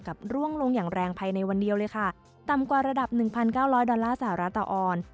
กับร่วงลงอย่างแรงภายในวันเดียวเลยค่ะต่ำกว่าระดับ๑๙๐๐ดอลลาร์สหรัฐต่อออน